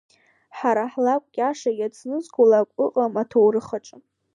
Ҳара ҳлакә иаша иацназго лакә ыҟам аҭоурых аҿы!